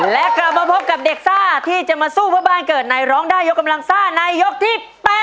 และกลับมาพบกับเด็กซ่าที่จะมาสู้เพื่อบ้านเกิดในร้องได้ยกกำลังซ่าในยกที่๘